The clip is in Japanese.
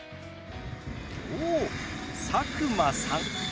おお佐久間さんですね。